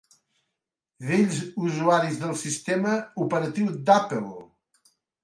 Bells usuaris del sistema operatiu d'Apple.